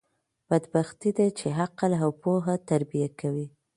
بدبختي ده، چي عقل او پوهه تربیه کوي.